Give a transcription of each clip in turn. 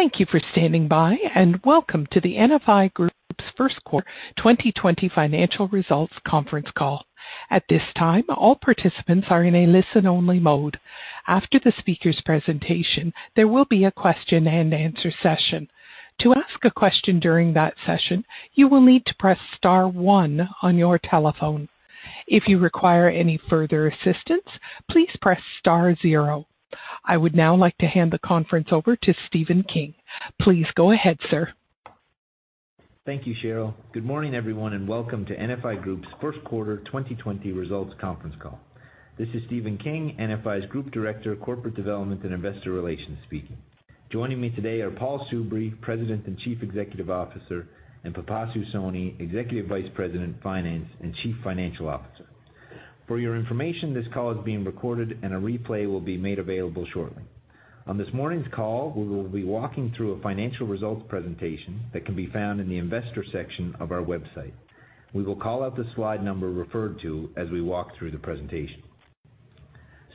Thank you for standing by, and welcome to the NFI Group's first quarter 2020 financial results conference call. At this time, all participants are in a listen-only mode. After the speaker's presentation, there will be a question and answer session. To ask a question during that session, you will need to press star one on your telephone. If you require any further assistance, please press star zero. I would now like to hand the conference over to Stephen King. Please go ahead, sir. Thank you, Cheryl. Good morning, everyone, and welcome to NFI Group's First Quarter 2020 Results Conference Call. This is Stephen King, NFI's Group Director of Corporate Development and Investor Relations speaking. Joining me today are Paul Soubry, President and Chief Executive Officer, and Pipasu Soni, Executive Vice President, Finance, and Chief Financial Officer. For your information, this call is being recorded, and a replay will be made available shortly. On this morning's call, we will be walking through a financial results presentation that can be found in the investor section of our website. We will call out the slide number referred to as we walk through the presentation.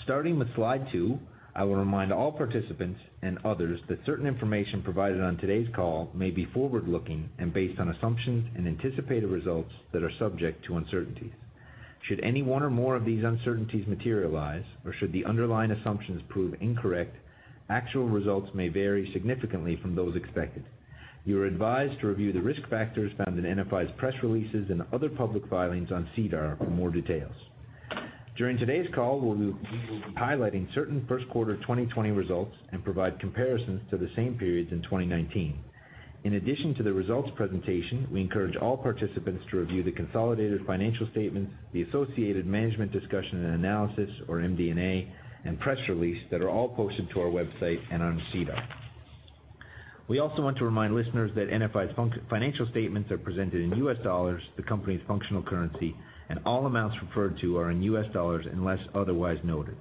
Starting with Slide two, I will remind all participants and others that certain information provided on today's call may be forward-looking and based on assumptions and anticipated results that are subject to uncertainties. Should any one or more of these uncertainties materialize, or should the underlying assumptions prove incorrect, actual results may vary significantly from those expected. You are advised to review the risk factors found in NFI's press releases and other public filings on SEDAR for more details. During today's call, we will be highlighting certain first quarter 2020 results and provide comparisons to the same periods in 2019. In addition to the results presentation, we encourage all participants to review the consolidated financial statements, the associated Management Discussion and Analysis, or MD&A, and press release that are all posted to our website and on SEDAR. We also want to remind listeners that NFI's financial statements are presented in US dollars, the company's functional currency, and all amounts referred to are in US dollars unless otherwise noted.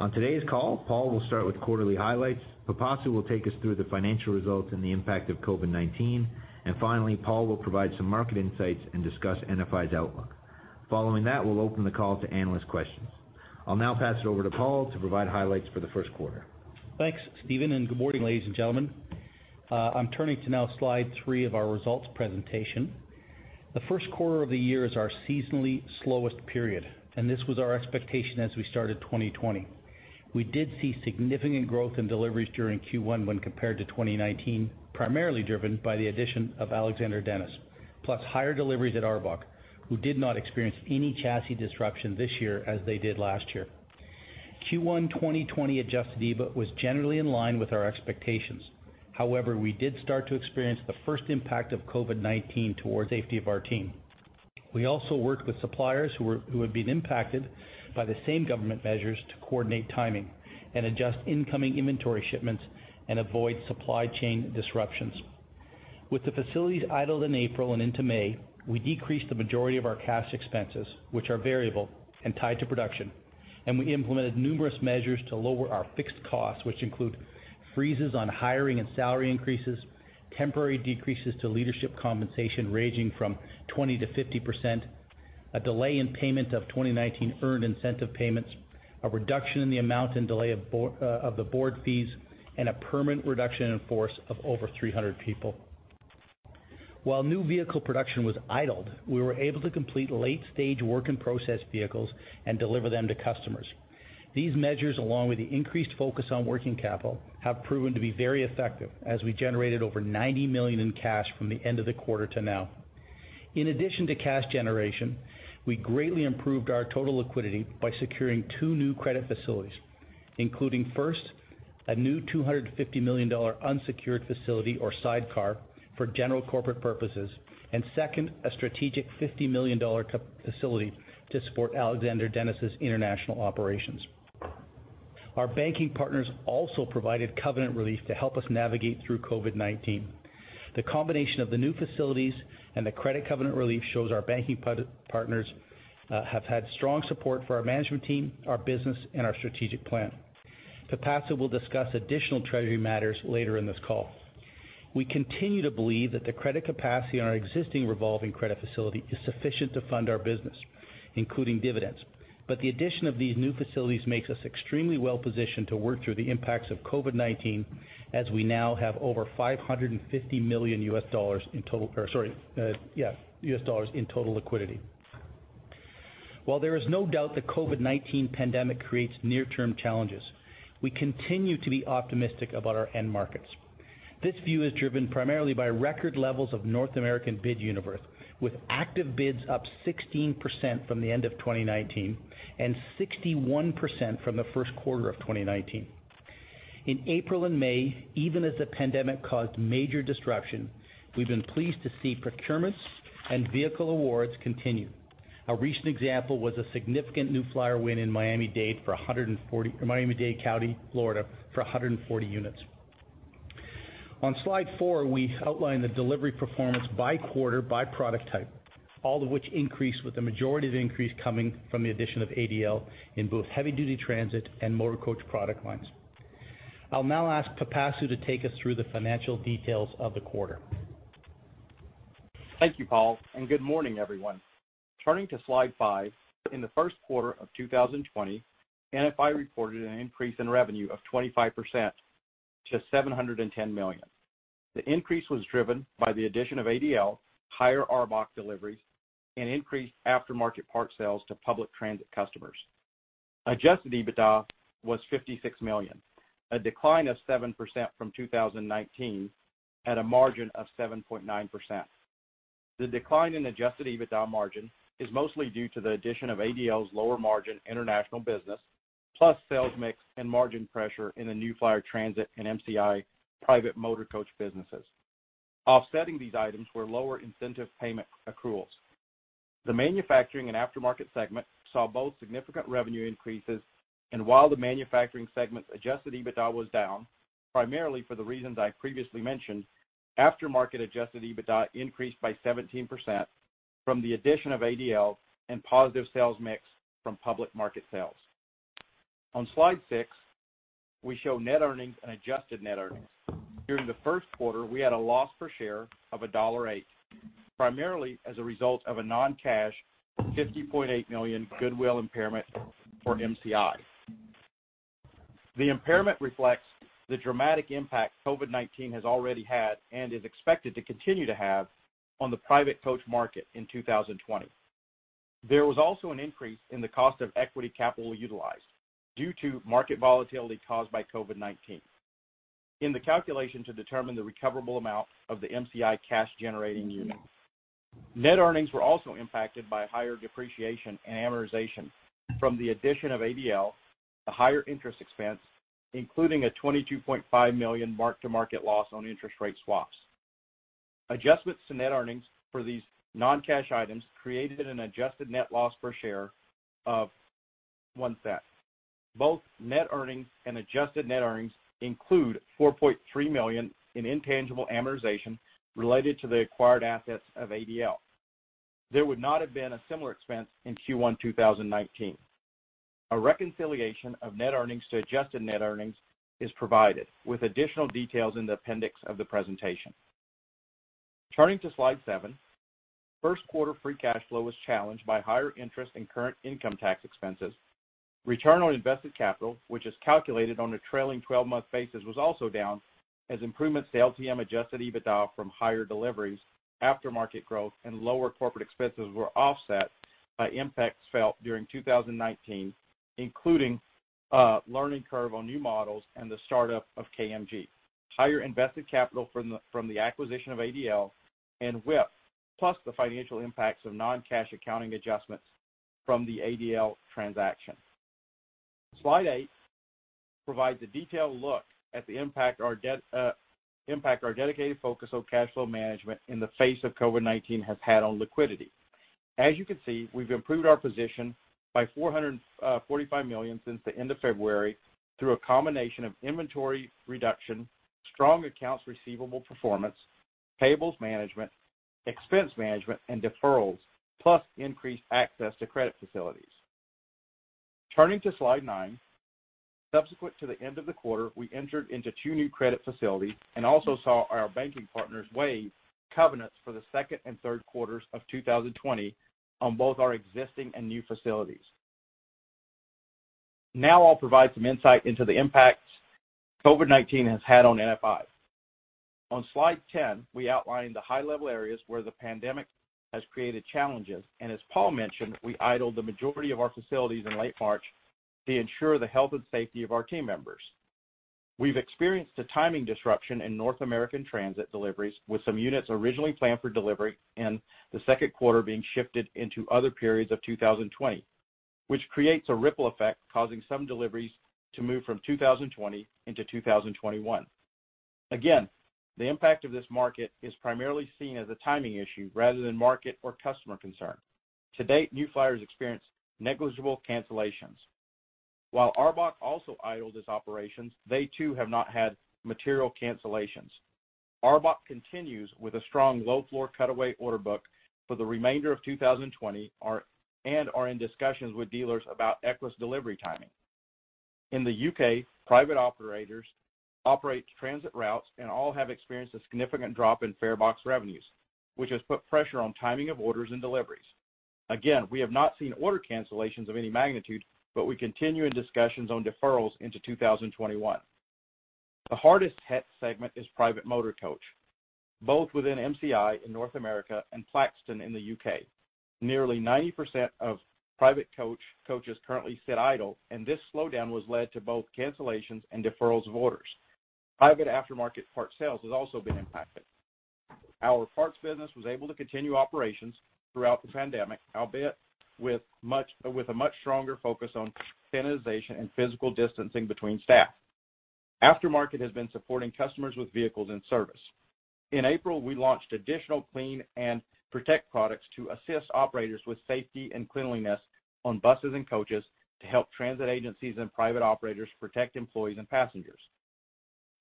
On today's call, Paul will start with quarterly highlights. Pipasu will take us through the financial results and the impact of COVID-19. Finally, Paul will provide some market insights and discuss NFI's outlook. Following that, we'll open the call to analyst questions. I'll now pass it over to Paul to provide highlights for the first quarter. Thanks, Stephen. Good morning, ladies and gentlemen. I'm tu rning to now slide three of our results presentation. The first quarter of the year is our seasonally slowest period, and this was our expectation as we started 2020. We did see significant growth in deliveries during Q1 when compared to 2019, primarily driven by the addition of Alexander Dennis, plus higher deliveries at ARBOC, who did not experience any chassis disruption this year as they did last year. Q1 2020 adjusted EBIT was generally in line with our expectations. However, we did start to experience the first impact of COVID-19 toward safety of our team. We also worked with suppliers who had been impacted by the same government measures to coordinate timing and adjust incoming inventory shipments and avoid supply chain disruptions. With the facilities idled in April and into May, we decreased the majority of our cash expenses, which are variable and tied to production, and we implemented numerous measures to lower our fixed costs, which include freezes on hiring and salary increases, temporary decreases to leadership compensation ranging from 20%-50%, a delay in payment of 2019 earned incentive payments, a reduction in the amount and delay of the board fees, and a permanent reduction in force of over 300 people. While new vehicle production was idled, we were able to complete late-stage work-in-process vehicles and deliver them to customers. These measures, along with the increased focus on working capital, have proven to be very effective as we generated over 90 million in cash from the end of the quarter to now. In addition to cash generation, we greatly improved our total liquidity by securing two new credit facilities, including first, a new $250 million unsecured facility or sidecar for general corporate purposes, and second, a strategic $50 million facility to support Alexander Dennis' international operations. Our banking partners also provided covenant relief to help us navigate through COVID-19. The combination of the new facilities and the credit covenant relief shows our banking partners have had strong support for our management team, our business, and our strategic plan. Pipasu will discuss additional treasury matters later in this call. The addition of these new facilities makes us extremely well-positioned to work through the impacts of COVID-19 as we now have over $550 million in total liquidity. While there is no doubt the COVID-19 pandemic creates near-term challenges, we continue to be optimistic about our end markets. This view is driven primarily by record levels of North American bid universe, with active bids up 16% from the end of 2019 and 61% from the first quarter of 2019. In April and May, even as the pandemic caused major disruption, we've been pleased to see procurements and vehicle awards continue. A recent example was a significant New Flyer win in Miami-Dade County, Florida, for 140 units. On slide four, we outline the delivery performance by quarter, by product type, all of which increased with the majority of the increase coming from the addition of ADL in both heavy-duty transit and motor coach product lines. I'll now ask Pipasu to take us through the financial details of the quarter. Thank you, Paul. Good morning, everyone. Turning to slide five, in the first quarter of 2020, NFI reported an increase in revenue of 25% to $710 million. The increase was driven by the addition of ADL, higher ARBOC deliveries, and increased aftermarket parts sales to public transit customers. Adjusted EBITDA was $56 million, a decline of 7% from 2019, at a margin of 7.9%. The decline in adjusted EBITDA margin is mostly due to the addition of ADL's lower margin international business, plus sales mix and margin pressure in the New Flyer transit and MCI private motor coach businesses. Offsetting these items were lower incentive payment accruals. The manufacturing and aftermarket segment saw both significant revenue increases. While the manufacturing segment's adjusted EBITDA was down, primarily for the reasons I previously mentioned, aftermarket adjusted EBITDA increased by 17% from the addition of ADL and positive sales mix from public market sales. On slide six, we show net earnings and adjusted net earnings. During the first quarter, we had a loss per share of $1.08, primarily as a result of a non-cash $50.8 million goodwill impairment for MCI. The impairment reflects the dramatic impact COVID-19 has already had, and is expected to continue to have, on the private coach market in 2020. There was also an increase in the cost of equity capital utilized due to market volatility caused by COVID-19. In the calculation to determine the recoverable amount of the MCI cash-generating unit. Net earnings were also impacted by higher depreciation and amortization from the addition of ADL, the higher interest expense, including a $22.5 million mark-to-market loss on interest rate swaps. Adjustments to net earnings for these non-cash items created an adjusted net loss per share of $0.01. Both net earnings and adjusted net earnings include $4.3 million in intangible amortization related to the acquired assets of ADL. There would not have been a similar expense in Q1 2019. A reconciliation of net earnings to adjusted net earnings is provided with additional details in the appendix of the presentation. Turning to slide seven, first quarter free cash flow was challenged by higher interest in current income tax expenses. Return on invested capital, which is calculated on a trailing 12-month basis, was also down, as improvements to LTM adjusted EBITDA from higher deliveries, aftermarket growth, and lower corporate expenses were offset by impacts felt during 2019, including a learning curve on new models and the startup of KMG, higher invested capital from the acquisition of ADL and WIP, plus the financial impacts of non-cash accounting adjustments from the ADL transaction. Slide eight provides a detailed look at the impact our dedicated focus on cash flow management in the face of COVID-19 has had on liquidity. As you can see, we've improved our position by $445 million since the end of February through a combination of inventory reduction, strong accounts receivable performance, payables management, expense management, and deferrals, plus increased access to credit facilities. Turning to slide nine. Subsequent to the end of the quarter, we entered into two new credit facilities and also saw our banking partners waive covenants for the second and third quarters of 2020 on both our existing and new facilities. I'll provide some insight into the impacts COVID-19 has had on NFI. On slide 10, we outline the high-level areas where the pandemic has created challenges. As Paul mentioned, we idled the majority of our facilities in late March to ensure the health and safety of our team members. We've experienced a timing disruption in North American transit deliveries, with some units originally planned for delivery in the second quarter being shifted into other periods of 2020. Which creates a ripple effect, causing some deliveries to move from 2020 into 2021. The impact of this market is primarily seen as a timing issue rather than market or customer concern. To date, New Flyer has experienced negligible cancellations. While ARBOC also idled its operations, they too have not had material cancellations. ARBOC continues with a strong low-floor cutaway order book for the remainder of 2020, and are in discussions with dealers about EUs delivery timing. In the U.K., private operators operate transit routes and all have experienced a significant drop in fare box revenues, which has put pressure on timing of orders and deliveries. Again, we have not seen order cancellations of any magnitude, but we continue in discussions on deferrals into 2021. The hardest hit segment is private motor coach, both within MCI in North America and Plaxton in the U.K. Nearly 90% of private coaches currently sit idle, and this slowdown was led to both cancellations and deferrals of orders. Private aftermarket parts sales has also been impacted. Our parts business was able to continue operations throughout the pandemic, albeit with a much stronger focus on sanitization and physical distancing between staff. Aftermarket has been supporting customers with vehicles and service. In April, we launched additional clean and protect products to assist operators with safety and cleanliness on buses and coaches to help transit agencies and private operators protect employees and passengers.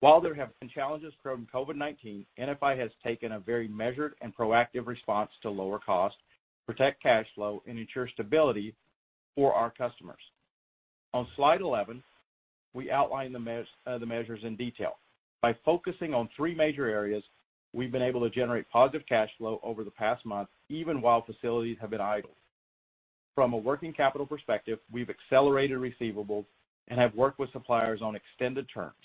While there have been challenges from COVID-19, NFI has taken a very measured and proactive response to lower cost, protect cash flow, and ensure stability for our customers. On slide 11, we outline the measures in detail. By focusing on three major areas, we've been able to generate positive cash flow over the past month, even while facilities have been idle. From a working capital perspective, we've accelerated receivables and have worked with suppliers on extended terms.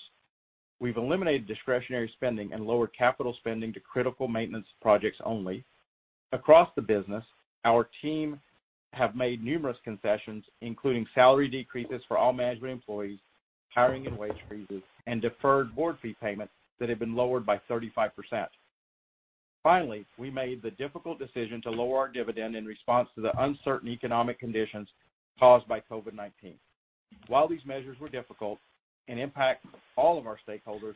We've eliminated discretionary spending and lowered capital spending to critical maintenance projects only. Across the business, our team have made numerous concessions, including salary decreases for all management employees, hiring and wage freezes, and deferred board fee payments that have been lowered by 35%. Finally, we made the difficult decision to lower our dividend in response to the uncertain economic conditions caused by COVID-19. While these measures were difficult and impact all of our stakeholders,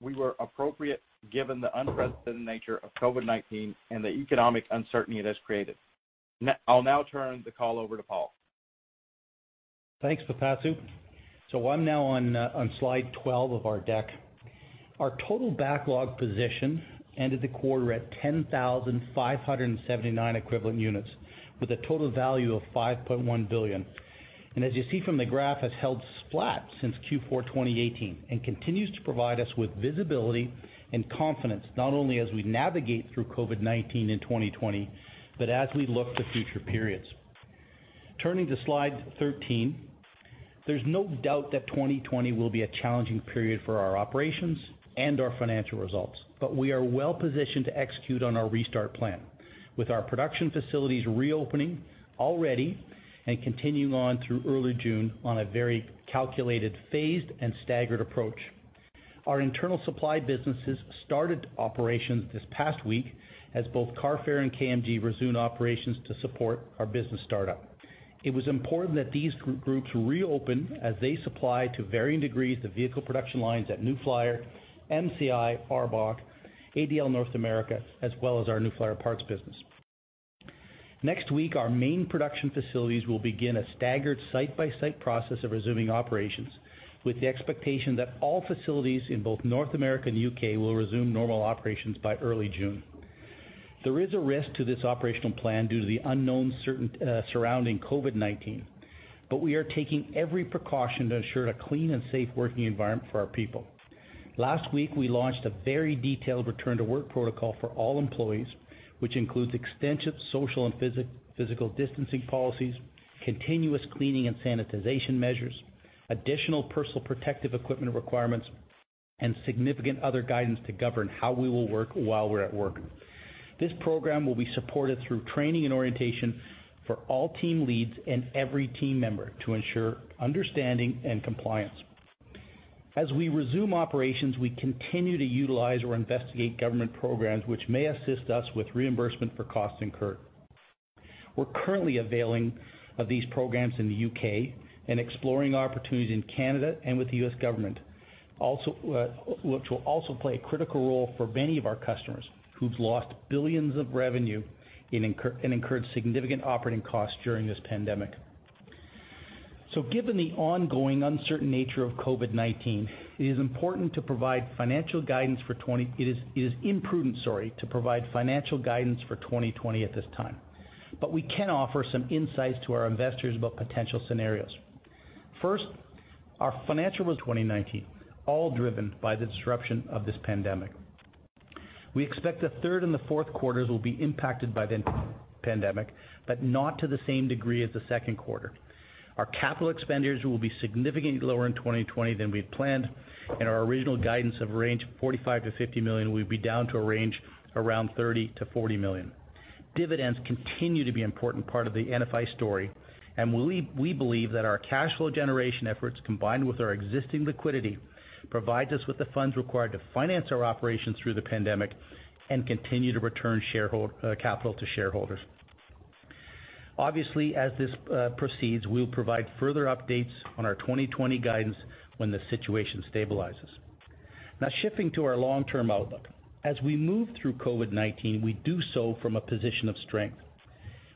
we were appropriate given the unprecedented nature of COVID-19 and the economic uncertainty it has created. I'll now turn the call over to Paul. Thanks, Pipasu. I'm now on slide 12 of our deck. Our total backlog position ended the quarter at 10,579 equivalent units with a total value of 5.1 billion, and as you see from the graph, has held flat since Q4 2018 and continues to provide us with visibility and confidence, not only as we navigate through COVID-19 in 2020, but as we look to future periods. Turning to slide 13, there's no doubt that 2020 will be a challenging period for our operations and our financial results, but we are well-positioned to execute on our restart plan with our production facilities reopening already and continuing on through early June on a very calculated phased and staggered approach. Our internal supply businesses started operations this past week as both Carfair and KMG resumed operations to support our business startup. It was important that these groups reopen as they supply to varying degrees the vehicle production lines at New Flyer, MCI, ARBOC, ADL North America, as well as our New Flyer Parts business. Next week, our main production facilities will begin a staggered site-by-site process of resuming operations with the expectation that all facilities in both North America and the U.K. will resume normal operations by early June. There is a risk to this operational plan due to the unknowns surrounding COVID-19. We are taking every precaution to ensure a clean and safe working environment for our people. Last week, we launched a very detailed return-to-work protocol for all employees, which includes extensive social and physical distancing policies, continuous cleaning and sanitization measures, additional personal protective equipment requirements, and significant other guidance to govern how we will work while we're at work. This program will be supported through training and orientation for all team leads and every team member to ensure understanding and compliance. As we resume operations, we continue to utilize or investigate government programs which may assist us with reimbursement for costs incurred. We're currently availing of these programs in the U.K. and exploring opportunities in Canada and with the U.S. government, which will also play a critical role for many of our customers who've lost billions of revenue and incurred significant operating costs during this pandemic. Given the ongoing uncertain nature of COVID-19, it is important to provide financial guidance for 2020, it is imprudent, sorry, to provide financial guidance for 2020 at this time. We can offer some insights to our investors about potential scenarios. First, our financial of 2019, all driven by the disruption of this pandemic. We expect the third and the fourth quarters will be impacted by the pandemic, but not to the same degree as the second quarter. Our capital expenditures will be significantly lower in 2020 than we had planned, and our original guidance of range $45 million-$50 million will be down to a range around $30 million-$40 million. Dividends continue to be important part of the NFI story, and we believe that our cash flow generation efforts, combined with our existing liquidity, provides us with the funds required to finance our operations through the pandemic and continue to return capital to shareholders. Obviously, as this proceeds, we'll provide further updates on our 2020 guidance when the situation stabilizes. Now shifting to our long-term outlook. As we move through COVID-19, we do so from a position of strength.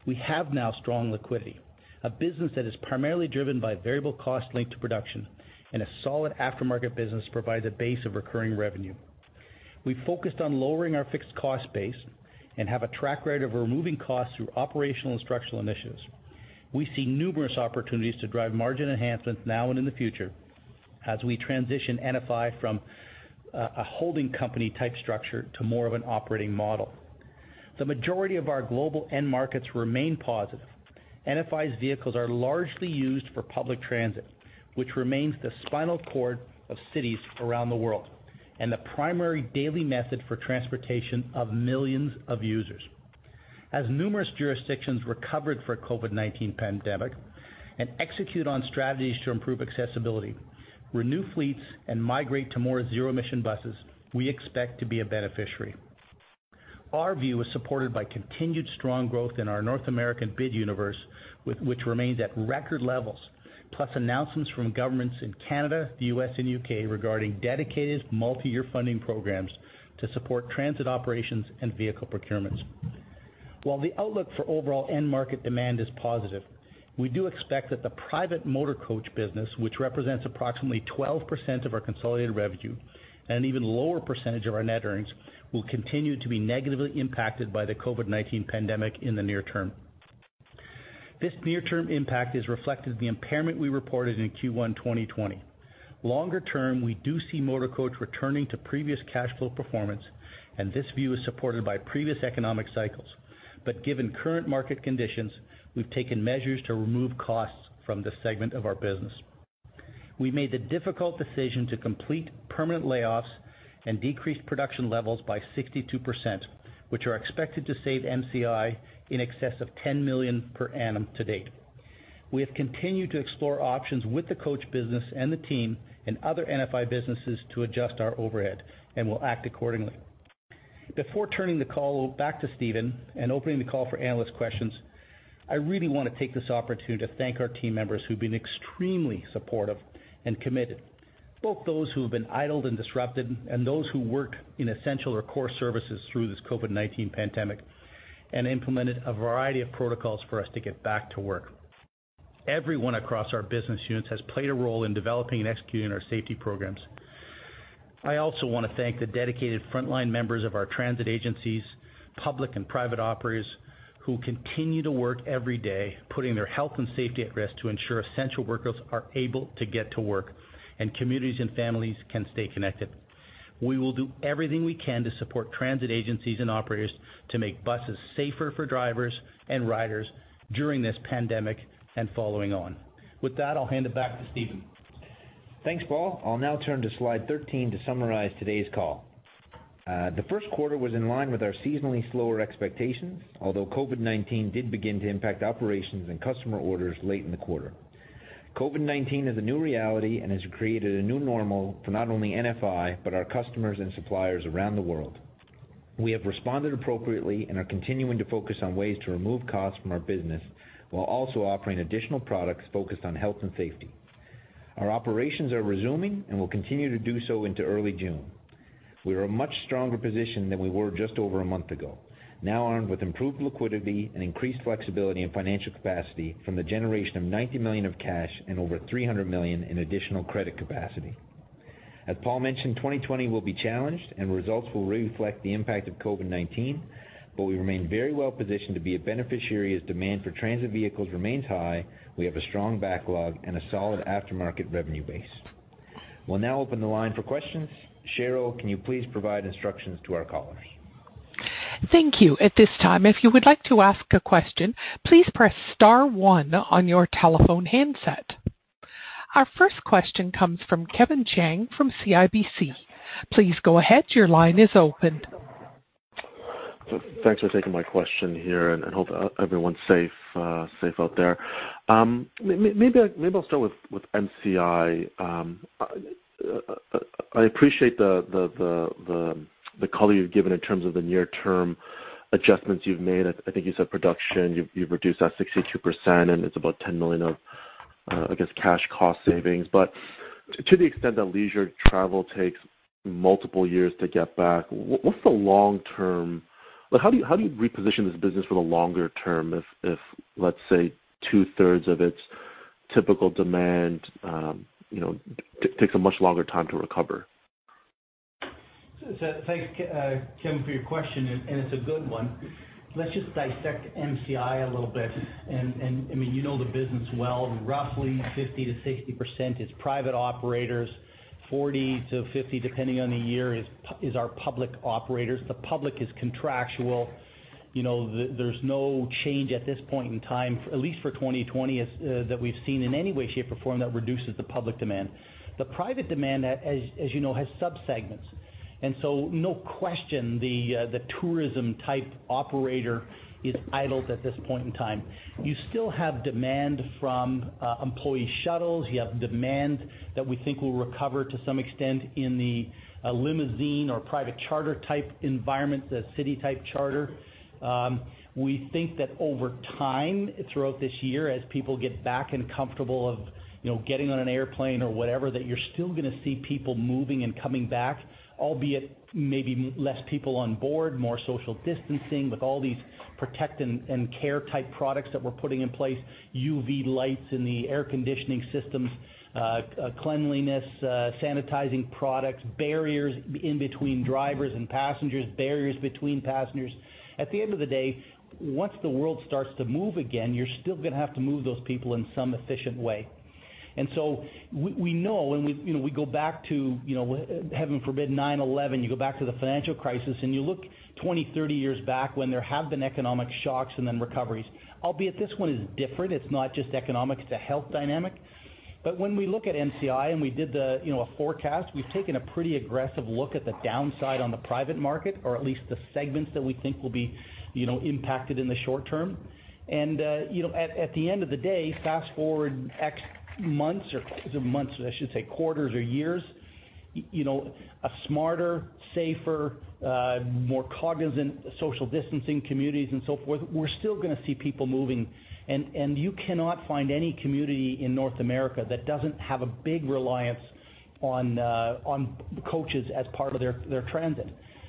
We have now strong liquidity, a business that is primarily driven by variable cost linked to production, and a solid aftermarket business provides a base of recurring revenue. We focused on lowering our fixed cost base and have a track record of removing costs through operational and structural initiatives. We see numerous opportunities to drive margin enhancements now and in the future as we transition NFI from a holding company type structure to more of an operating model. The majority of our global end markets remain positive. NFI's vehicles are largely used for public transit, which remains the spinal cord of cities around the world and the primary daily method for transportation of millions of users. As numerous jurisdictions recovered from COVID-19 pandemic and execute on strategies to improve accessibility, renew fleets, and migrate to more zero-emission buses, we expect to be a beneficiary. Our view is supported by continued strong growth in our North American bid universe, which remains at record levels, plus announcements from governments in Canada, the U.S., and U.K. regarding dedicated multi-year funding programs to support transit operations and vehicle procurements. While the outlook for overall end market demand is positive, we do expect that the private motor coach business, which represents approximately 12% of our consolidated revenue and an even lower percentage of our net earnings, will continue to be negatively impacted by the COVID-19 pandemic in the near term. This near-term impact is reflected in the impairment we reported in Q1 2020. Longer term, we do see motor coach returning to previous cash flow performance, and this view is supported by previous economic cycles. Given current market conditions, we've taken measures to remove costs from this segment of our business. We made the difficult decision to complete permanent layoffs and decrease production levels by 62%, which are expected to save MCI in excess of $10 million per annum to date. We have continued to explore options with the coach business and the team and other NFI businesses to adjust our overhead and will act accordingly. Before turning the call back to Stephen and opening the call for analyst questions, I really want to take this opportunity to thank our team members who've been extremely supportive and committed, both those who have been idled and disrupted and those who worked in essential or core services through this COVID-19 pandemic and implemented a variety of protocols for us to get back to work. Everyone across our business units has played a role in developing and executing our safety programs. I also want to thank the dedicated frontline members of our transit agencies, public and private operators who continue to work every day, putting their health and safety at risk to ensure essential workers are able to get to work and communities and families can stay connected. We will do everything we can to support transit agencies and operators to make buses safer for drivers and riders during this pandemic and following on. With that, I'll hand it back to Stephen. Thanks, Paul. I'll now turn to slide 13 to summarize today's call. The first quarter was in line with our seasonally slower expectations, although COVID-19 did begin to impact operations and customer orders late in the quarter. COVID-19 is a new reality and has created a new normal for not only NFI but our customers and suppliers around the world. We have responded appropriately and are continuing to focus on ways to remove costs from our business while also offering additional products focused on health and safety. Our operations are resuming and will continue to do so into early June. We are in a much stronger position than we were just over a month ago. Now armed with improved liquidity and increased flexibility and financial capacity from the generation of $90 million of cash and over $300 million in additional credit capacity. As Paul mentioned, 2020 will be challenged, and results will reflect the impact of COVID-19. We remain very well positioned to be a beneficiary as demand for transit vehicles remains high. We have a strong backlog and a solid aftermarket revenue base. We'll now open the line for questions. Cheryl, can you please provide instructions to our callers? Thank you. At this time, if you would like to ask a question, please press star one on your telephone handset. Our first question comes from Kevin Chiang from CIBC. Please go ahead. Your line is open. Thanks for taking my question here. I hope everyone's safe out there. Maybe I'll start with MCI. I appreciate the color you've given in terms of the near-term adjustments you've made. I think you said production, you've reduced that 62%, and it's about $10 million of, I guess, cash cost savings. To the extent that leisure travel takes multiple years to get back, what's the long term? How do you reposition this business for the longer term if, let's say two-thirds of its typical demand takes a much longer time to recover? Thanks, Kevin, for your question. It's a good one. Let's just dissect MCI a little bit. You know the business well. Roughly 50%-60% is private operators, 40%-50%, depending on the year, is our public operators. The public is contractual. There's no change at this point in time, at least for 2020, that we've seen in any way, shape, or form that reduces the public demand. The private demand, as you know, has subsegments. No question the tourism type operator is idled at this point in time. You still have demand from employee shuttles. You have demand that we think will recover to some extent in the limousine or private charter type environment, the city type charter. We think that over time, throughout this year, as people get back and comfortable of getting on an airplane or whatever, that you're still going to see people moving and coming back, albeit maybe less people on board, more social distancing with all these protect and care type products that we're putting in place, UV lights in the air conditioning systems, cleanliness, sanitizing products, barriers in between drivers and passengers, barriers between passengers. At the end of the day, once the world starts to move again, you're still going to have to move those people in one efficient way. We know and we go back to, heaven forbid, 9/11, you go back to the financial crisis, and you look 20, 30 years back when there have been economic shocks and then recoveries. Albeit this one is different. It's not just economic, it's a health dynamic. When we look at MCI and we did a forecast, we've taken a pretty aggressive look at the downside on the private market, or at least the segments that we think will be impacted in the short term. At the end of the day, fast-forward X months or I should say quarters or years, a smarter, safer, more cognizant social distancing communities and so forth, we're still going to see people moving. You cannot find any community in North America that doesn't have a big reliance on coaches as part of their transit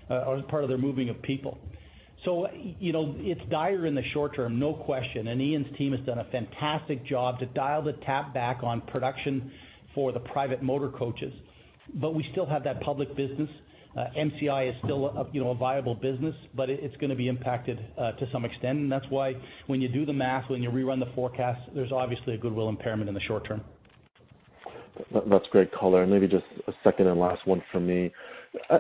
or as part of their moving of people. It's dire in the short term, no question. Ian's team has done a fantastic job to dial the tap back on production for the private motor coaches. We still have that public business. MCI is still a viable business, but it's going to be impacted to some extent. That's why when you do the math, when you rerun the forecast, there's obviously a goodwill impairment in the short term. That's great color. Maybe just a second and last one from me.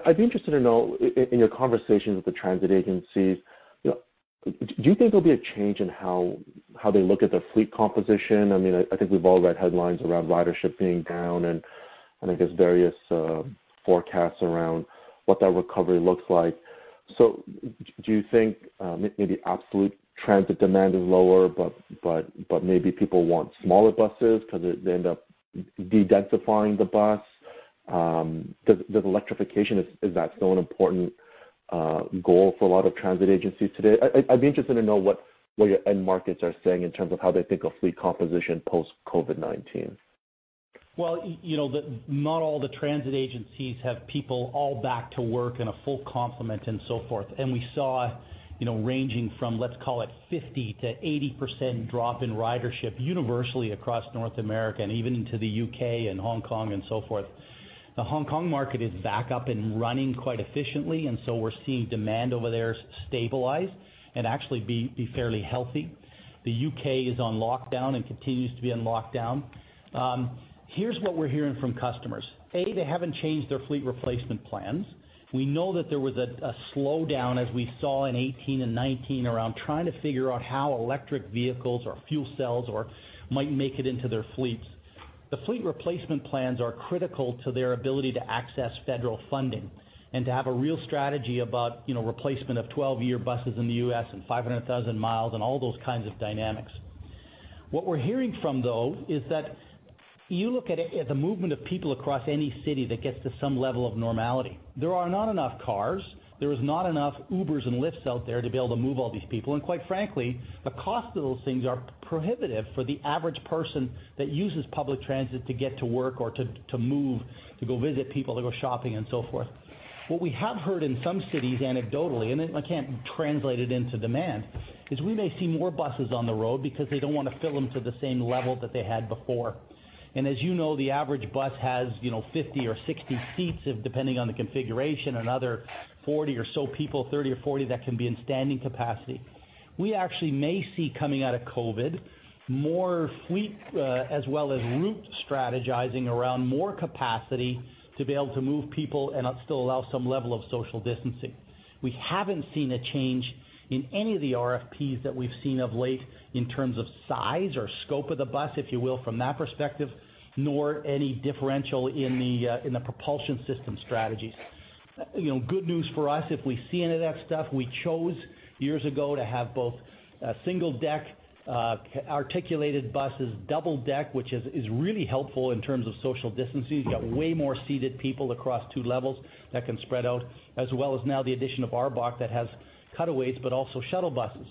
I'd be interested to know, in your conversations with the transit agencies, do you think there'll be a change in how they look at their fleet composition? I think we've all read headlines around ridership being down, and I think there's various forecasts around what that recovery looks like. Do you think maybe absolute transit demand is lower, but maybe people want smaller buses because they end up de-densifying the bus? Is electrification still an important goal for a lot of transit agencies today? I'd be interested to know what your end markets are saying in terms of how they think of fleet composition post-COVID-19. Well, not all the transit agencies have people all back to work in a full complement and so forth. We saw ranging from, let's call it 50%-80% drop in ridership universally across North America and even into the U.K. and Hong Kong and so forth. The Hong Kong market is back up and running quite efficiently. We're seeing demand over there stabilize and actually be fairly healthy. The U.K. is on lockdown and continues to be on lockdown. Here's what we're hearing from customers. A, they haven't changed their fleet replacement plans. We know that there was a slowdown, as we saw in 2018 and 2019, around trying to figure out how electric vehicles or fuel cells might make it into their fleets. The fleet replacement plans are critical to their ability to access federal funding and to have a real strategy about replacement of 12-year buses in the U.S. and 500,000 miles and all those kinds of dynamics. What we're hearing from, though, is that you look at the movement of people across any city that gets to some level of normality. There are not enough cars. There is not enough Ubers and Lyfts out there to be able to move all these people. Quite frankly, the cost of those things are prohibitive for the average person that uses public transit to get to work or to move, to go visit people, to go shopping and so forth. What we have heard in some cities anecdotally, and I can't translate it into demand, is we may see more buses on the road because they don't want to fill them to the same level that they had before. As you know, the average bus has 50 or 60 seats, depending on the configuration, another 40 or so people, 30 or 40, that can be in standing capacity. We actually may see coming out of COVID, more fleet as well as route strategizing around more capacity to be able to move people and still allow some level of social distancing. We haven't seen a change in any of the RFPs that we've seen of late in terms of size or scope of the bus, if you will, from that perspective, nor any differential in the propulsion system strategies. Good news for us, if we see any of that stuff, we chose years ago to have both single deck articulated buses, double deck, which is really helpful in terms of social distancing. You've got way more seated people across two levels that can spread out, as well as now the addition of ARBOC that has cutaways but also shuttle buses.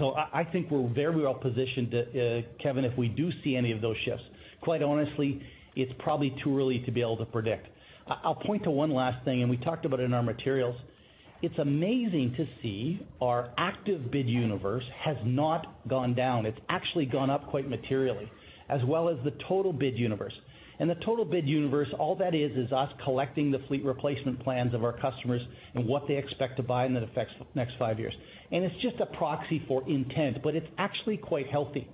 I think we're very well positioned, Kevin, if we do see any of those shifts. Quite honestly, it's probably too early to be able to predict. I'll point to one last thing, and we talked about it in our materials. It's amazing to see our active bid universe has not gone down. It's actually gone up quite materially, as well as the total bid universe. The total bid universe, all that is us collecting the fleet replacement plans of our customers and what they expect to buy in the next five years. It's just a proxy for intent, but it's actually quite healthy.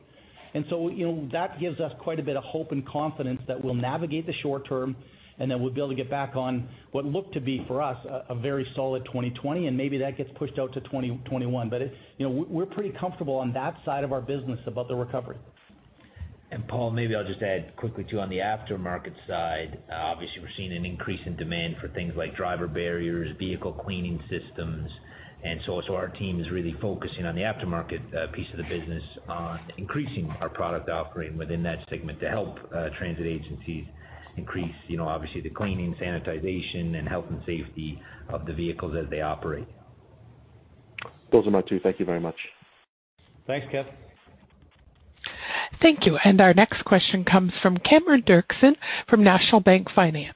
That gives us quite a bit of hope and confidence that we'll navigate the short term and that we'll be able to get back on what looked to be, for us, a very solid 2020, and maybe that gets pushed out to 2021. We're pretty comfortable on that side of our business about the recovery. Paul, maybe I'll just add quickly, too, on the aftermarket side, obviously, we're seeing an increase in demand for things like driver barriers, vehicle cleaning systems, and so our team is really focusing on the aftermarket piece of the business on increasing our product offering within that segment to help transit agencies increase obviously the cleaning, sanitization, and health and safety of the vehicles as they operate. Those are my two. Thank you very much. Thanks, Kevin. Thank you. Our next question comes from Cameron Doerksen from National Bank Financial.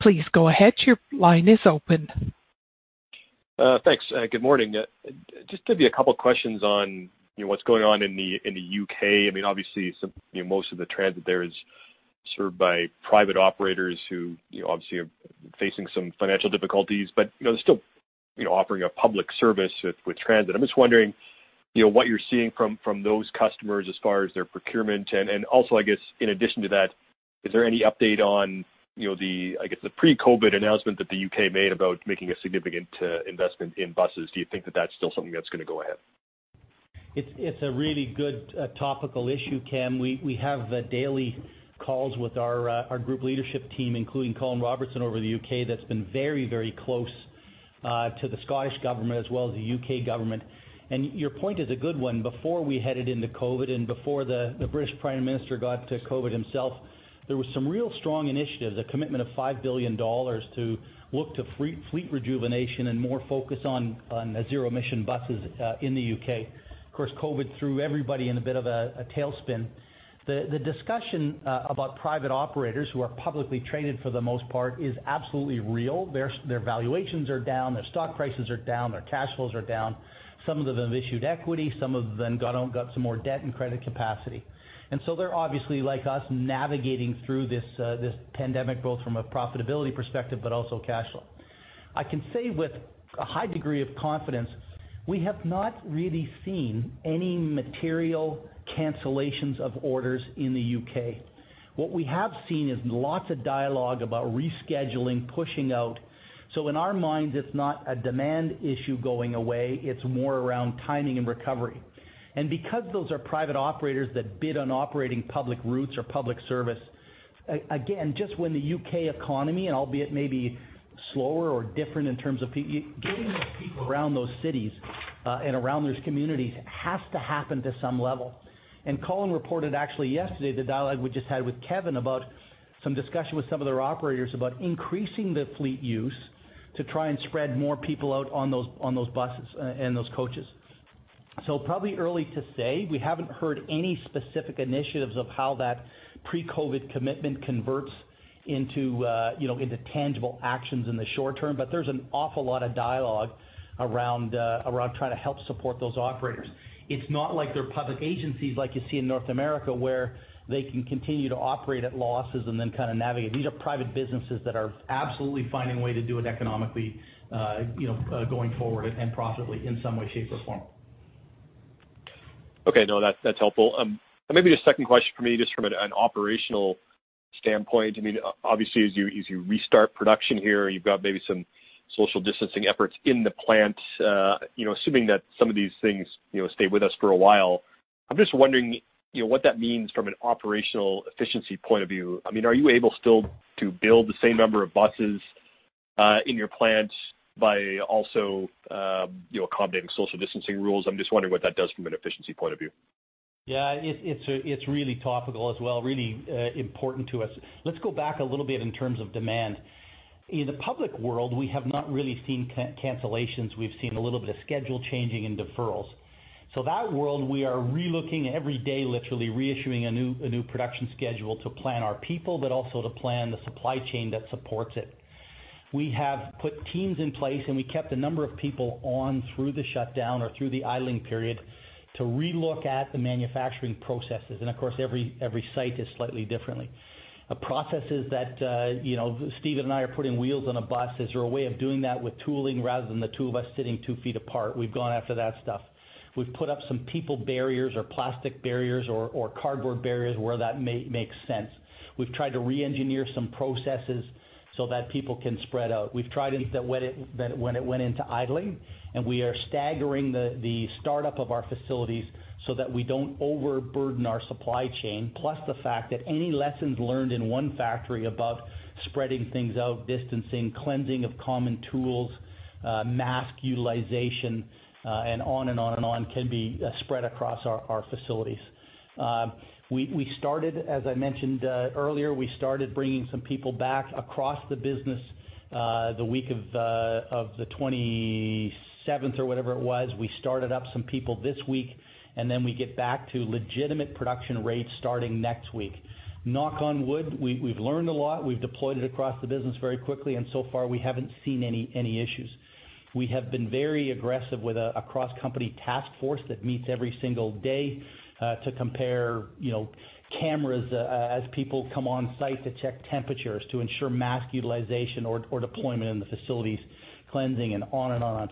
Please go ahead. Your line is open. Thanks. Good morning. Just maybe a couple questions on what's going on in the U.K. Obviously, most of the transit there is served by private operators who obviously are facing some financial difficulties, but they're still offering a public service with transit. I'm just wondering what you're seeing from those customers as far as their procurement. Also, I guess, in addition to that, is there any update on the, I guess, the pre-COVID announcement that the U.K. made about making a significant investment in buses? Do you think that that's still something that's going to go ahead? It's a really good topical issue, Cam. We have daily calls with our group leadership team, including Colin Robertson over the U.K., that's been very close to the Scottish government as well as the U.K. government. Your point is a good one. Before we headed into COVID and before the British Prime Minister got COVID himself, there was some real strong initiatives, a commitment of $5 billion to look to fleet rejuvenation and more focus on zero-emission buses in the U.K. Of course, COVID threw everybody in a bit of a tailspin. The discussion about private operators who are publicly traded for the most part is absolutely real. Their valuations are down, their stock prices are down, their cash flows are down. Some of them have issued equity, some of them got some more debt and credit capacity. They're obviously, like us, navigating through this pandemic, both from a profitability perspective, but also cash flow. I can say with a high degree of confidence, we have not really seen any material cancellations of orders in the U.K. What we have seen is lots of dialogue about rescheduling, pushing out. In our minds, it's not a demand issue going away, it's more around timing and recovery. Because those are private operators that bid on operating public routes or public service, again, just when the U.K. economy, and albeit maybe slower or different in terms of people, getting those people around those cities and around those communities has to happen to some level. Colin reported actually yesterday, the dialogue we just had with Kevin about some discussion with some of their operators about increasing the fleet use to try and spread more people out on those buses and those coaches. Probably early to say, we haven't heard any specific initiatives of how that pre-COVID commitment converts into tangible actions in the short term. There's an awful lot of dialogue around trying to help support those operators. It's not like they're public agencies like you see in North America, where they can continue to operate at losses and then kind of navigate. These are private businesses that are absolutely finding a way to do it economically, going forward and profitably in some way, shape, or form. Okay. No, that's helpful. Maybe the second question from me, just from an operational standpoint. Obviously, as you restart production here, you've got maybe some social distancing efforts in the plant. Assuming that some of these things stay with us for a while, I'm just wondering what that means from an operational efficiency point of view. Are you able still to build the same number of buses in your plants by also accommodating social distancing rules? I'm just wondering what that does from an efficiency point of view. Yeah, it's really topical as well, really important to us. Let's go back a little bit in terms of demand. In the public world, we have not really seen cancellations. We've seen a little bit of schedule changing and deferrals. That world, we are relooking every day, literally reissuing a new production schedule to plan our people, but also to plan the supply chain that supports it. We have put teams in place, and we kept a number of people on through the shutdown or through the idling period to relook at the manufacturing processes. Of course, every site is slightly differently. A process is that Stephen and I are putting wheels on a bus. Is there a way of doing that with tooling rather than the two of us sitting two feet apart? We've gone after that stuff. We've put up some people barriers or plastic barriers or cardboard barriers where that makes sense. We've tried to re-engineer some processes so that people can spread out. We've tried when it went into idling, and we are staggering the startup of our facilities so that we don't overburden our supply chain. Plus the fact that any lessons learned in one factory about spreading things out, distancing, cleansing of common tools, mask utilization, and on and on and on, can be spread across our facilities. We started, as I mentioned earlier, we started bringing some people back across the business the week of the 27th or whatever it was. We started up some people this week. We get back to legitimate production rates starting next week. Knock on wood, we've learned a lot. We've deployed it across the business very quickly, and so far we haven't seen any issues. We have been very aggressive with a cross-company task force that meets every single day to compare cameras as people come on site to check temperatures, to ensure mask utilization or deployment in the facilities, cleansing and on and on.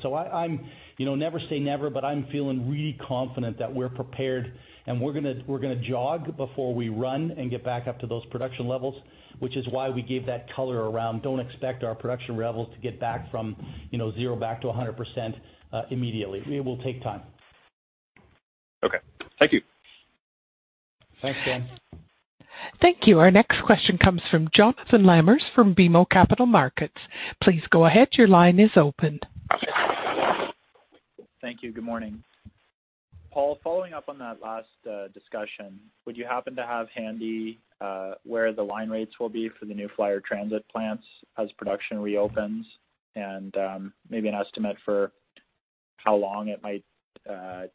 Never say never, but I'm feeling really confident that we're prepared and we're going to jog before we run and get back up to those production levels, which is why we gave that color around don't expect our production levels to get back from zero back to 100% immediately. It will take time. Okay. Thank you. Thanks, Cam. Thank you. Our next question comes from Jonathan Lamers from BMO Capital Markets. Please go ahead. Your line is opened. Thank you. Good morning. Paul, following up on that last discussion, would you happen to have handy where the line rates will be for the New Flyer transit plants as production reopens? Maybe an estimate for how long it might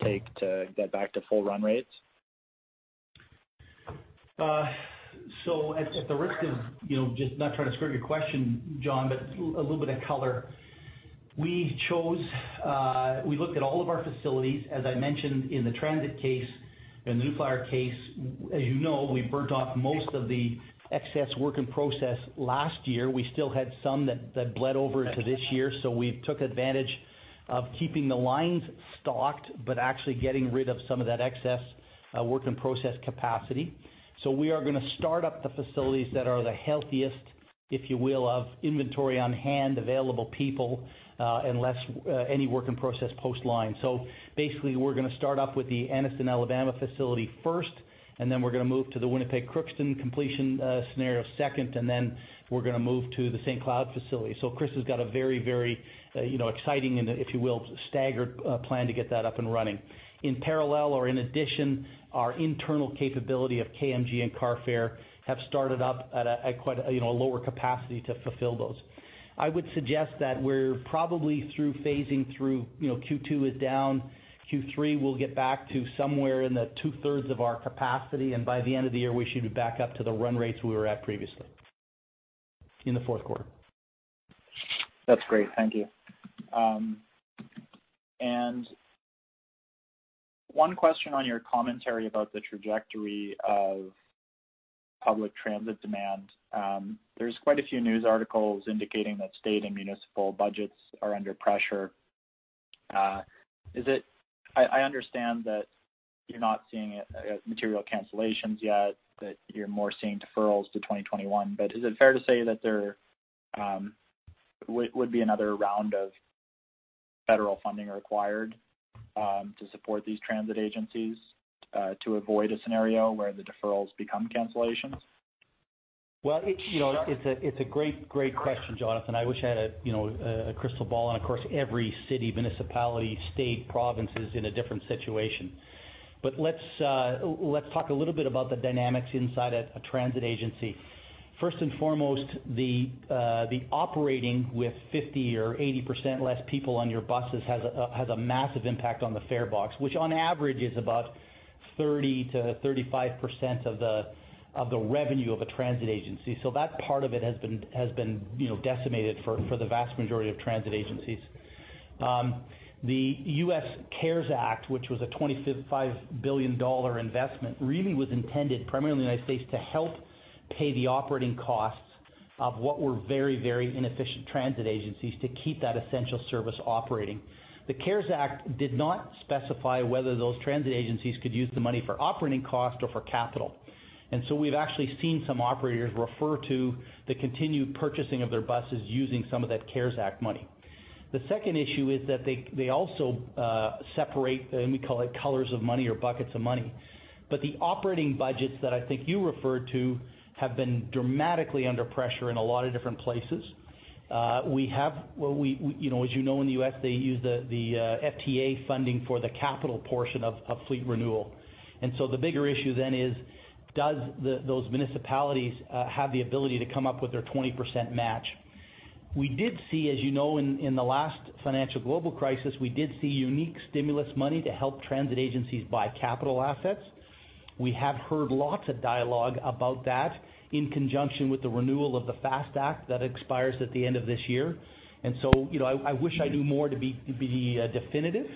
take to get back to full run rates? At the risk of just not trying to screw your question, Jon, but a little bit of color. We looked at all of our facilities, as I mentioned, in the transit case, in the New Flyer case, as you know, we burned off most of the excess work in process last year. We still had some that bled over into this year. We took advantage of keeping the lines stocked, but actually getting rid of some of that excess work in process capacity. We are going to start up the facilities that are the healthiest, if you will, of inventory on hand, available people, and less any work in process post line. Basically, we're going to start up with the Anniston, Alabama facility first, and then we're going to move to the Winnipeg Crookston completion scenario second, and then we're going to move to the St. Cloud facility. Chris has got a very, very exciting and, if you will, staggered plan to get that up and running. In parallel or in addition, our internal capability of KMG and Carfair have started up at a lower capacity to fulfill those. I would suggest that we're probably through phasing through Q2 is down, Q3, we'll get back to somewhere in the two-thirds of our capacity, and by the end of the year, we should be back up to the run rates we were at previously in the fourth quarter. That's great. Thank you. One question on your commentary about the trajectory of public transit demand. There's quite a few news articles indicating that state and municipal budgets are under pressure. I understand that you're not seeing material cancellations yet, that you're more seeing deferrals to 2021. Is it fair to say that there would be another round of federal funding required to support these transit agencies to avoid a scenario where the deferrals become cancellations? Well, it's a great question, Jonathan. I wish I had a crystal ball, and of course, every city, municipality, state, province is in a different situation. Let's talk a little bit about the dynamics inside a transit agency. First and foremost, the operating with 50% or 80% less people on your buses has a massive impact on the farebox, which on average is about 30% to 35% of the revenue of a transit agency. That part of it has been decimated for the vast majority of transit agencies. The U.S. CARES Act, which was a $25 billion investment, really was intended primarily in the United States to help pay the operating costs of what were very inefficient transit agencies to keep that essential service operating. The CARES Act did not specify whether those transit agencies could use the money for operating costs or for capital. We've actually seen some operators refer to the continued purchasing of their buses using some of that CARES Act money. The second issue is that they also separate, and we call it colors of money or buckets of money, but the operating budgets that I think you referred to have been dramatically under pressure in a lot of different places. As you know, in the U.S., they use the FTA funding for the capital portion of fleet renewal. The bigger issue then is, do those municipalities have the ability to come up with their 20% match? We did see, as you know, in the last financial global crisis, we did see unique stimulus money to help transit agencies buy capital assets. We have heard lots of dialogue about that in conjunction with the renewal of the FAST Act that expires at the end of this year. I wish I knew more to be definitive,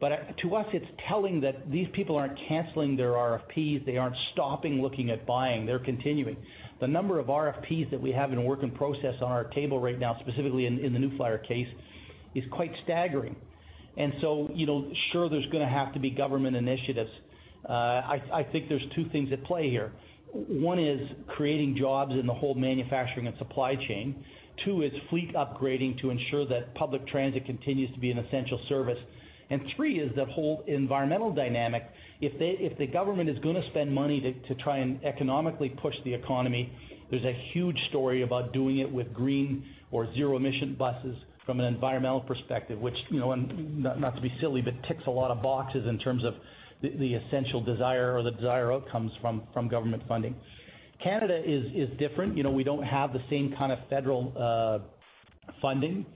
but to us, it's telling that these people aren't canceling their RFPs. They aren't stopping looking at buying. They're continuing. The number of RFPs that we have in work in process on our table right now, specifically in the New Flyer case, is quite staggering. Sure, there's going to have to be government initiatives. I think there's two things at play here. One is creating jobs in the whole manufacturing and supply chain. Two is fleet upgrading to ensure that public transit continues to be an essential service. Three is the whole environmental dynamic. If the government is going to spend money to try and economically push the economy, there's a huge story about doing it with green or zero-emission buses from an environmental perspective, which, not to be silly, but ticks a lot of boxes in terms of the essential desire or the desire outcomes from government funding. Canada is different. We don't have the same kind of federal funding.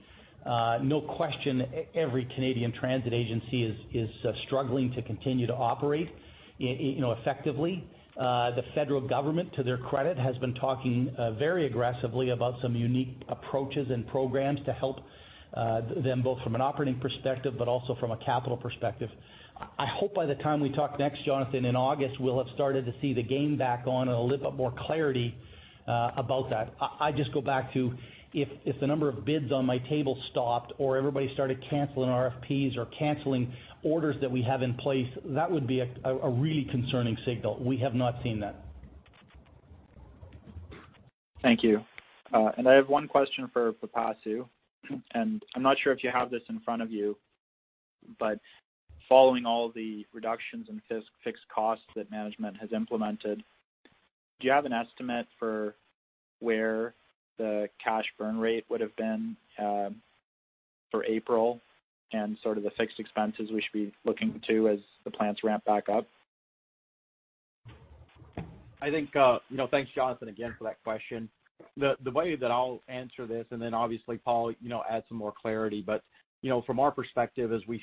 No question, every Canadian transit agency is struggling to continue to operate effectively. The federal government, to their credit, has been talking very aggressively about some unique approaches and programs to help them both from an operating perspective, but also from a capital perspective. I hope by the time we talk next, Jonathan, in August, we'll have started to see the game back on and a little bit more clarity about that. I just go back to, if the number of bids on my table stopped or everybody started canceling RFPs or canceling orders that we have in place, that would be a really concerning signal. We have not seen that. Thank you. I have one question for Pipasu, and I'm not sure if you have this in front of you, but following all the reductions in fixed costs that management has implemented, do you have an estimate for where the cash burn rate would have been for April and sort of the fixed expenses we should be looking to as the plants ramp back up? Thanks, Jonathan, again for that question. The way that I'll answer this, and then obviously Paul add some more clarity, but from our perspective, as we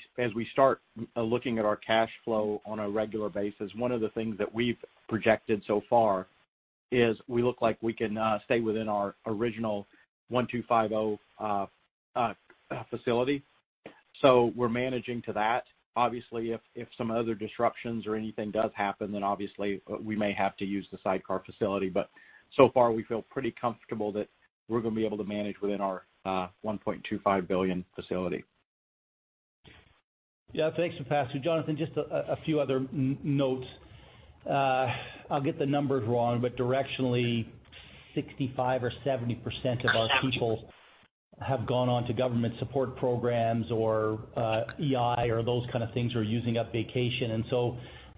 start looking at our cash flow on a regular basis, one of the things that we've projected so far is we look like we can stay within our original $1,250 facility. We're managing to that. Obviously, if some other disruptions or anything does happen, then obviously we may have to use the sidecar facility. So far, we feel pretty comfortable that we're going to be able to manage within our $1.25 billion facility. Yeah. Thanks, Pipasu. Jonathan, just a few other notes. I'll get the numbers wrong, but directionally, 65% or 70% of our people have gone on to government support programs or EI or those kind of things, or using up vacation.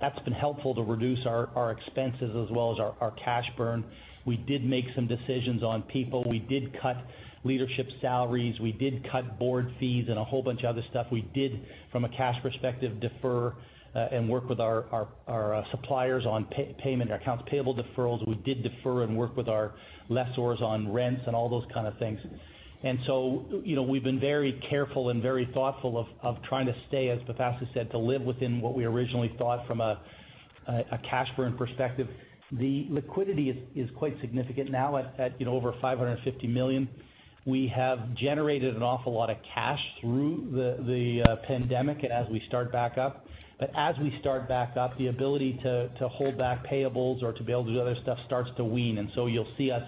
That's been helpful to reduce our expenses as well as our cash burn. We did make some decisions on people. We did cut leadership salaries. We did cut board fees and a whole bunch of other stuff. We did, from a cash perspective, defer and work with our suppliers on payment, our accounts payable deferrals. We did defer and work with our lessors on rents and all those kind of things. We've been very careful and very thoughtful of trying to stay, as Pipasu said, to live within what we originally thought from a cash burn perspective. The liquidity is quite significant now at over $550 million. We have generated an awful lot of cash through the pandemic and as we start back up. As we start back up, the ability to hold back payables or to be able to do other stuff starts to wean. You'll see us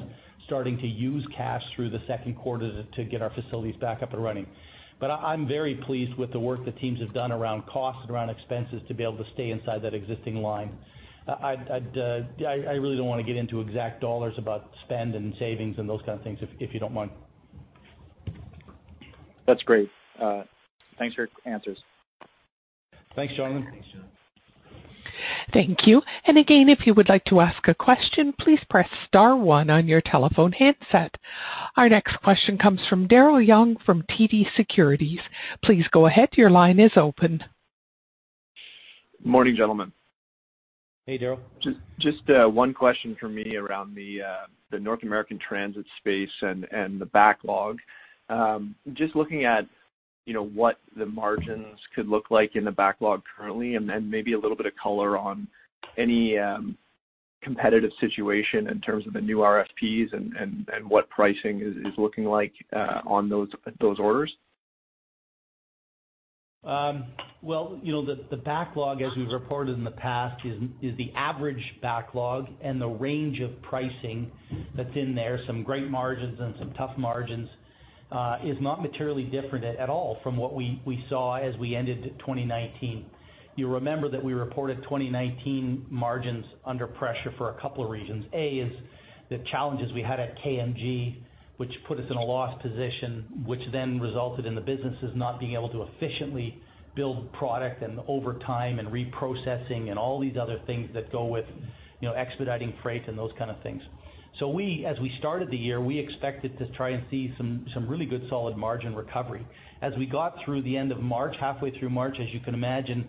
starting to use cash through the second quarter to get our facilities back up and running. I'm very pleased with the work the teams have done around costs and around expenses to be able to stay inside that existing line. I really don't want to get into exact dollars about spend and savings and those kind of things, if you don't mind. That's great. Thanks for your answers. Thanks, Jonathan. Thanks, Jon. Thank you. Again, if you would like to ask a question, please press star 1 on your telephone handset. Our next question comes from Daryl Young from TD Securities. Please go ahead. Your line is open. Morning, gentlemen. Hey, Daryl. Just one question from me around the North American transit space and the backlog. Just looking at what the margins could look like in the backlog currently, and then maybe a little bit of color on any competitive situation in terms of the new RFPs and what pricing is looking like on those orders. The backlog, as we've reported in the past, is the average backlog and the range of pricing that's in there, some great margins and some tough margins, is not materially different at all from what we saw as we ended 2019. You'll remember that we reported 2019 margins under pressure for a couple of reasons. A is the challenges we had at KMG, which put us in a loss position, which then resulted in the businesses not being able to efficiently build product and over time and reprocessing and all these other things that go with expediting freight and those kind of things. As we started the year, we expected to try and see some really good solid margin recovery. As we got through the end of March, halfway through March, as you can imagine,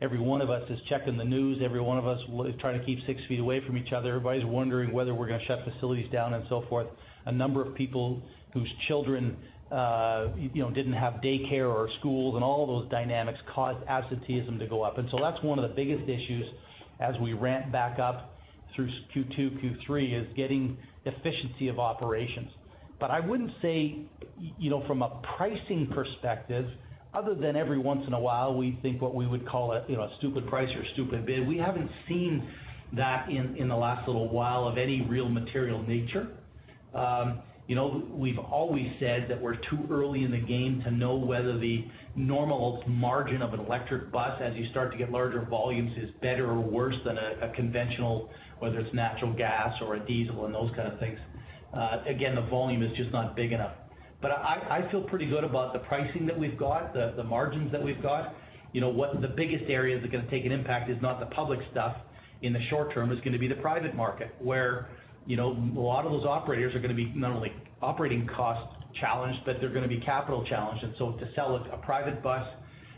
every one of us is checking the news. Every one of us trying to keep six feet away from each other. Everybody's wondering whether we're going to shut facilities down and so forth. A number of people whose children didn't have daycare or schools, and all of those dynamics caused absenteeism to go up. That's one of the biggest issues as we ramp back up through Q2, Q3, is getting efficiency of operations. I wouldn't say from a pricing perspective, other than every once in a while, we think what we would call a stupid price or a stupid bid. We haven't seen that in the last little while of any real material nature. We've always said that we're too early in the game to know whether the normal margin of an electric bus, as you start to get larger volumes, is better or worse than a conventional, whether it's natural gas or a diesel and those kind of things. Again, the volume is just not big enough. I feel pretty good about the pricing that we've got, the margins that we've got. The biggest area that is going to take an impact is not the public stuff in the short term. It's going to be the private market, where a lot of those operators are going to be not only operating cost-challenged, but they're going to be capital-challenged. To sell a private bus,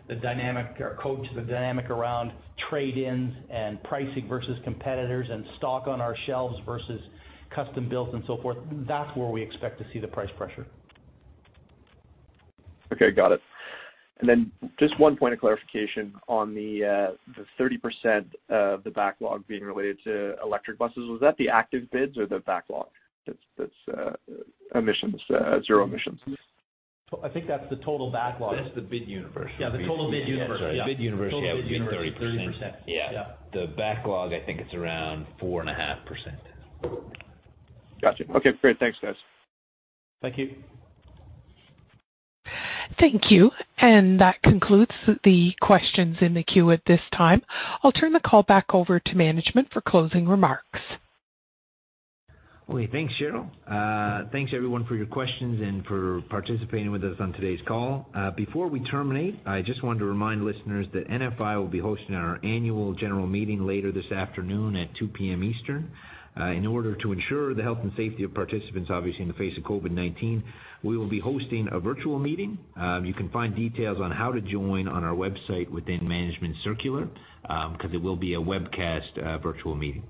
the dynamic or coach, the dynamic around trade-ins and pricing versus competitors and stock on our shelves versus custom builds and so forth, that's where we expect to see the price pressure. Okay, got it. Just one point of clarification on the 30% of the backlog being related to electric buses. Was that the active bids or the backlog that's zero emissions? I think that's the total backlog. That's the bid universe. Yeah, the total bid universe. Sorry, bid universe, yeah, would be 30%. Total bid universe, 30%. Yeah. Yeah. The backlog, I think it's around 4.5%. Got you. Okay, great. Thanks, guys. Thank you. Thank you. That concludes the questions in the queue at this time. I'll turn the call back over to management for closing remarks. Okay. Thanks, Cheryl. Thanks, everyone, for your questions and for participating with us on today's call. Before we terminate, I just wanted to remind listeners that NFI will be hosting our annual general meeting later this afternoon at 2:00 P.M. Eastern. In order to ensure the health and safety of participants, obviously in the face of COVID-19, we will be hosting a virtual meeting. You can find details on how to join on our website within Management Circular, because it will be a webcast virtual meeting.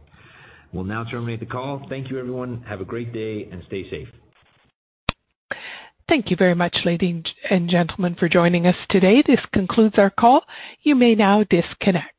We'll now terminate the call. Thank you, everyone. Have a great day and stay safe. Thank you very much, ladies and gentlemen, for joining us today. This concludes our call. You may now disconnect.